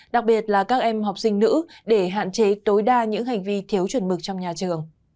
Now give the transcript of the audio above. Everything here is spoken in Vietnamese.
đặc biệt là các em học sinh nữ để hạn chế tối đa những hành vi thiếu chuẩn mực trong nhà trường